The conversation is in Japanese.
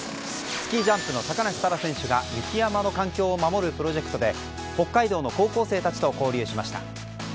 スキージャンプの高梨沙羅選手が雪山の環境を守るプロジェクトで、北海道の高校生たちと交流しました。